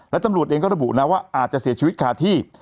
และตำรวจเองก็ระบุนะว่าอาจจะเสียชีวิตคาที่